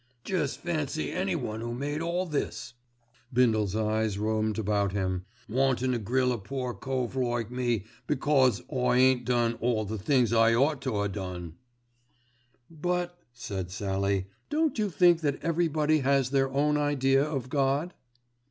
"Jest fancy anyone who made all this," Bindle's eyes roamed about him, "wantin' to grill a poor cove like me because I ain't done all the things I ought to a' done." "But," said Sallie, "don't you think that everybody has their own idea of God?"